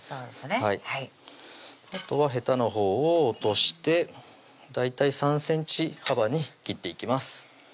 はいあとはへたのほうを落として大体３ｃｍ幅に切っていきます